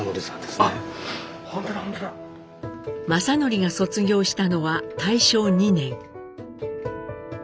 正徳が卒業したのは大正２年。